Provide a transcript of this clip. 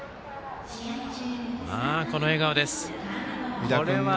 この笑顔です。